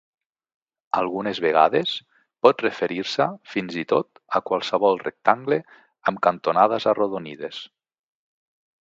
Algunes vegades, pot referir-se fins i tot a qualsevol rectangle amb cantonades arrodonides.